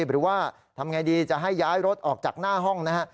หรือว่าทำไงดีจะให้ย้ายรถออกจากหน้าห้องนะฮะ